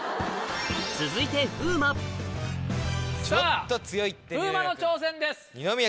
続いてさぁ風磨の挑戦です。